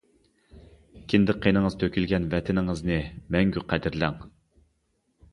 كىندىك قېنىڭىز تۆكۈلگەن ۋەتىنىڭىزنى مەڭگۈ قەدىرلەڭ.